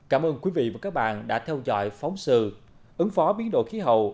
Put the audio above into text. cảm ơn quý vị và các bạn đã theo dõi phóng sự ứng phó biến đổi khí hậu